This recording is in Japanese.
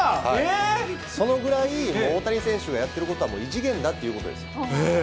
そのぐらい、大谷選手がやってることはもう異次元だっていうことです。